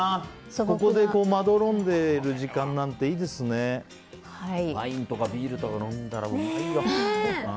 ここでまどろんでる時間なんてワインとかビールとか飲んだらいいよ。